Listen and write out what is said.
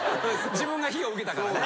自分が火を受けたからね。